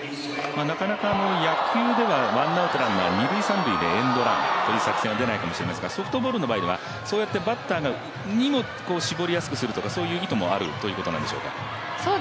なかなか野球ではワンアウトランナー、二・三塁ではエンドランという作戦は出ないかもしれませんがソフトボールの場合ではそうしてバッターにも絞りやすくするとかそういう意図もあるということなんでしょうか？